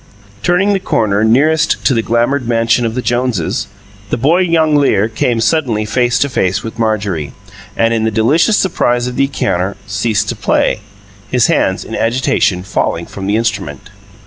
Turning the corner nearest to the glamoured mansion of the Joneses, the boy jongleur came suddenly face to face with Marjorie, and, in the delicious surprise of the encounter, ceased to play, his hands, in agitation, falling from the instrument.